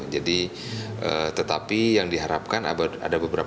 jadi tetapi yang diharapkan ada beberapa